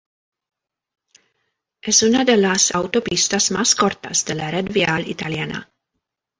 Es una de las autopistas más cortas de la red vial italiana.